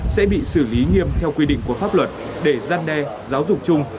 sẽ bị xử lý nghiêm theo quy định của pháp luật để gian đe giáo dục chung